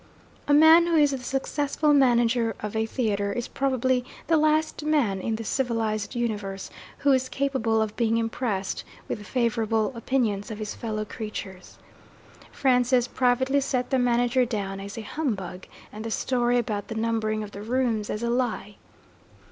A man who is the successful manager of a theatre is probably the last man in the civilized universe who is capable of being impressed with favourable opinions of his fellow creatures. Francis privately set the manager down as a humbug, and the story about the numbering of the rooms as a lie.